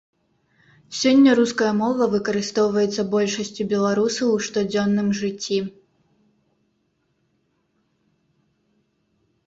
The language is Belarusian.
Сёння руская мова выкарыстоўваецца большасцю беларусаў у штодзённым жыцці.